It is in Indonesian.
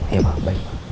iya pak baik